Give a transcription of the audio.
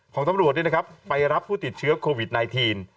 ของตำรวจไปรับผู้ติดเชื้อโควิด๑๙